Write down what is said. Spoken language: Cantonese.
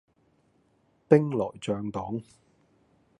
兵來將擋